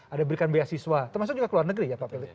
ada berikan beasiswa termasuk juga ke luar negeri ya pak pelit